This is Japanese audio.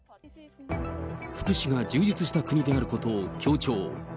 福祉が充実した国であることを強調。